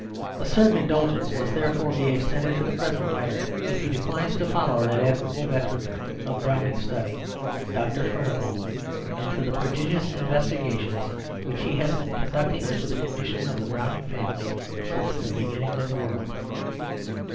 A certain indulgence must therefore be extended to the present writer if he declines to follow that admirable veteran of Browning study, Dr. Furnivall, into the prodigious investigations which he has been conducting into the condition of the Browning family since the beginning of the world.